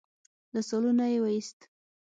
له سالونه يې وايست.